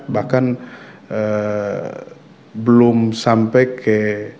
bahkan belum sampai ke